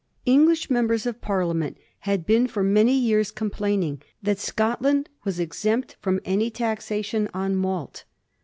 English members of Parliament had been for many years complaining that Scotland was exempt from any taxation on malt.